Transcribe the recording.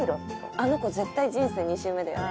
あの子絶対人生２週目だよね？